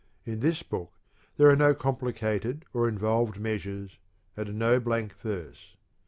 In this book there are no complicated or involved measures, and no blank verse.